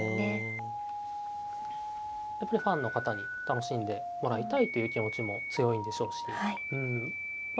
やっぱりファンの方に楽しんでもらいたいという気持ちも強いんでしょうしまあ